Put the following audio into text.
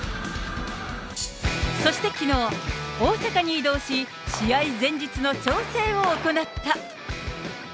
そしてきのう、大阪に移動し、試合前日の調整を行った。